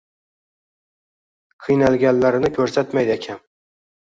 £iynalganlarini ko`rsatmaydi akam